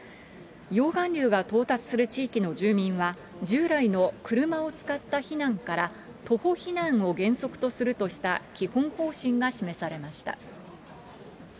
溶岩流が到達する地域の住民は、従来の車を使った避難から、徒歩避難を原則とするとした基本方針が示されました。